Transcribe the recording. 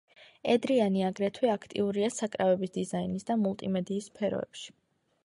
ედრიანი აგრეთვე აქტიურია საკრავების დიზაინის და მულტიმედიის სფეროებში.